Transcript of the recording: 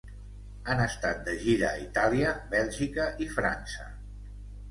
Han estat de gira a Itàlia, Bèlgica i França.